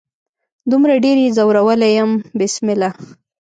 دومره ډیر يې ځورولي يم بسمله